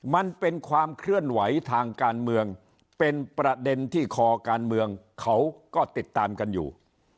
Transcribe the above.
มันเป็นความเคลื่อนไหวทางการเมืองเป็นประเด็นที่คอการเมืองเขาก็ติดตามกันอยู่